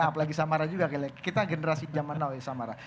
apalagi samara juga kita generasi zaman now ya samara